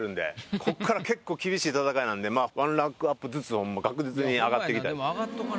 こっから結構厳しい戦いなんで１ランクアップずつを確実に上がっていきたいですね。